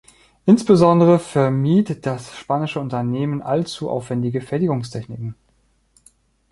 Insbesondere vermied das spanische Unternehmen allzu aufwändige Fertigungstechniken.